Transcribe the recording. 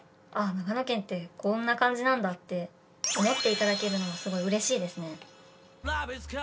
長野県ってこんな感じなんだって思っていただけるのはすごい嬉しいですね